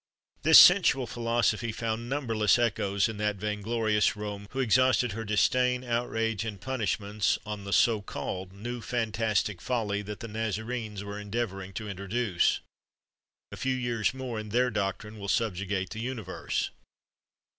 This sensual philosophy found numberless echoes in that vainglorious Rome, who exhausted her disdain, outrage, and punishments on the (so called) new fantastic folly that the Nazarenes were endeavouring to introduce. A few years more, and their doctrine will subjugate the universe!